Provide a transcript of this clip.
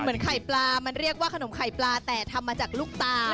เหมือนไข่ปลามันเรียกว่าขนมไข่ปลาแต่ทำมาจากลูกตา